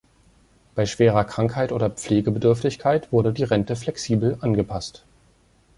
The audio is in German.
Bei schwerer Krankheit oder Pflegebedürftigkeit wurde die Rente flexibel angepasst.